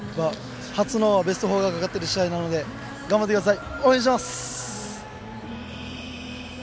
初のベスト４がかかってる試合なので頑張ってください。